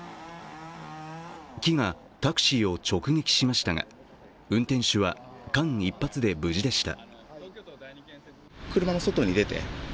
木がタクシーを直撃しましたが運転手は間一髪で無事でした。